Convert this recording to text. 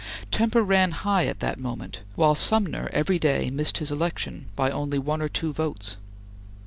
Temper ran high at that moment, while Sumner every day missed his election by only one or two votes.